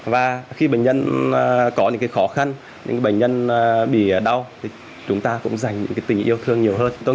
và khi bệnh nhân có những khó khăn những bệnh nhân bị đau thì chúng ta cũng dành những tình yêu thương nhiều hơn